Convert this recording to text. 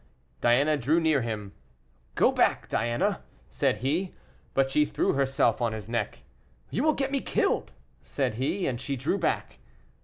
Diana drew near him. "Go back, Diana," said he. But she threw herself on his neck. "You will get me killed," said he; and she drew back.